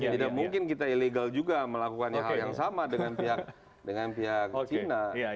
tidak mungkin kita ilegal juga melakukannya hal yang sama dengan pihak cina